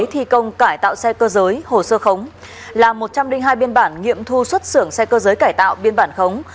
thi công cải tạo xe cơ giới hồ sơ khống làm một trăm linh hai biên bản nghiệm thu xuất xưởng xe cơ giới cải tạo biên bản khống